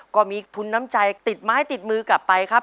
ก็มีทุนน้ำใจติดไม้ติดมือกลับไปครับ